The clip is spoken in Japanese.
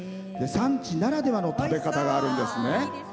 産地ならではの食べ方があるんですね。